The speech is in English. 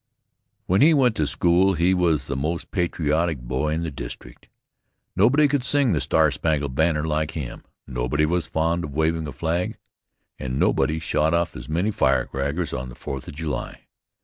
When he went to school, he was the most patriotic boy in the district. Nobody could sing "The Star Spangled Banner" like him, nobody was as fond of waving a flag, and nobody shot off as many firecrackers on the Fourth of July.